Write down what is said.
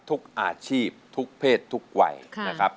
ทุกอาชีพทุกเพศทุกวัยนะครับ